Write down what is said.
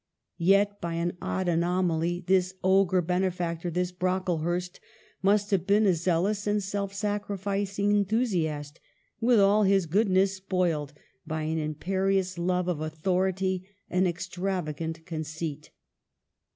Yet by an odd anomaly this ogre bene factor, this Brocklehurst, must have been a zeal ous and self sacrificing enthusiast, with all his goodness spoiled by an imperious love of author ity, an extravagant conceit.